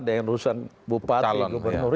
dengan urusan bupati gubernur